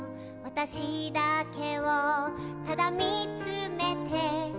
「私だけをただ見つめて」